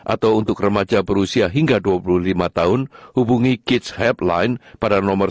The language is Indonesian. atau untuk remaja berusia hingga dua puluh lima tahun hubungi kids helpline pada nomor seribu delapan ratus lima puluh lima satu ratus delapan puluh enam